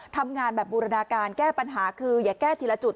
ทำงานแบบบูรณาการแก้ปัญหาคืออย่าแก้ทีละจุด